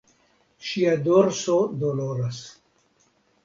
Ŝia dorso doloras.